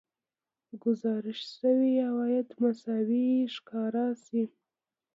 ګزارش شوي عواید مساوي ښکاره شي